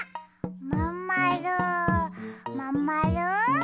まんまるまんまる？